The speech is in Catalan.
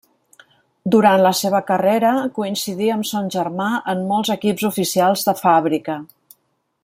Durant la seva carrera, coincidí amb son germà en molts equips oficials de fàbrica.